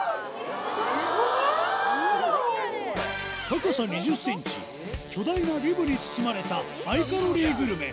高さ２０ｃｍ巨大なリブに包まれたハイカロリーグルメ